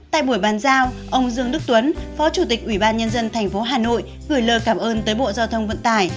tại buổi bàn giao ông dương đức tuấn phó chủ tịch ủy ban nhân dân tp hà nội gửi lời cảm ơn tới bộ giao thông vận tải